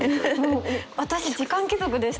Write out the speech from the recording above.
もう私時間貴族でした。